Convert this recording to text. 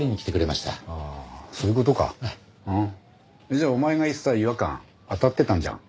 じゃあお前が言ってた違和感当たってたんじゃん。